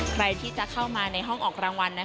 ใครที่จะเข้ามาในห้องออกรางวัล